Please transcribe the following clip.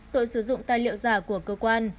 tội sử dụng tài liệu giả của cơ quan